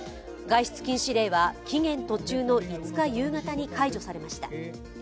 外出禁止令は期限途中の５日夕方に解除されました。